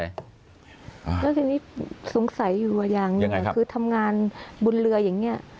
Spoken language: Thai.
แล้วทีนี้สงสัยอยู่ว่ายังยังไงคือทำงานบนเรืออย่างนี้